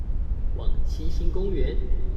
往七星公園